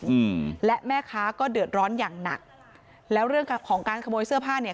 อืมและแม่ค้าก็เดือดร้อนอย่างหนักแล้วเรื่องของการขโมยเสื้อผ้าเนี่ย